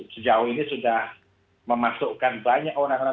sejauh ini sudah memasukkan banyak orang orang